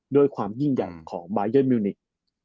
ด้วยความยิ่งใหญ่ของบายันมิวนิก